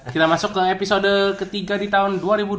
kita masuk ke episode ketiga di tahun dua ribu dua puluh